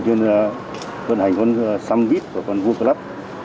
tuy nhiên vận hành con xăm vít của con vua club